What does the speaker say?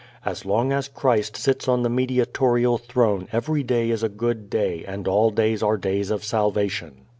As long as Christ sits on the mediatorial throne every day is a good day and all days are days of salvation.